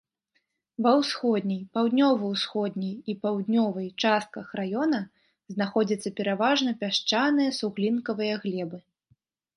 Ва ўсходняй, паўднёва-ўсходняй і паўднёвай частках раёна знаходзяцца пераважна пясчаныя суглінкавыя глебы.